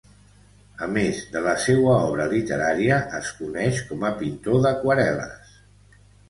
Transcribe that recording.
A més de la seua obra literària es coneix com a pintor d'aquarel·les.